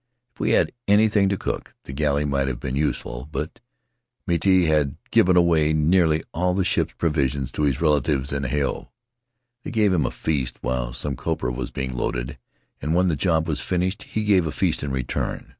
If we had had anything to cook, the galley might have been useful; but Miti had given away nearly all of the ship's provisions to his relatives on Hao. They gave him a feast while some copra was being loaded, and when the job was finished he gave a feast in return.